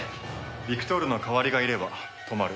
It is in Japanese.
ビクトールの代わりがいれば止まる。